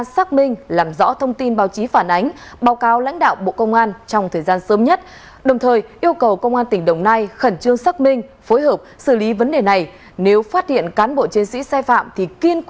xin chào và hẹn gặp lại